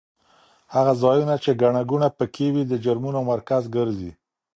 هغه ځایونه چې ګڼه ګوڼه پکې وي د جرمونو مرکز ګرځي.